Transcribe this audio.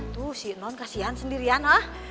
tuh si enon kasian sendirian